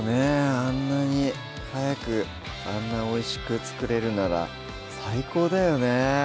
あんなに早くあんなおいしく作れるなら最高だよね